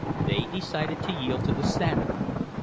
They decided to yield to the Standard.